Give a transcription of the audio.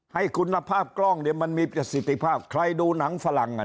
ให้คุณภาพกล้องเนี่ยมันมีประสิทธิภาพใครดูหนังฝรั่งอ่ะ